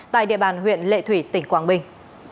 tại địa bàn huyện lệ thủy tỉnh quảng bình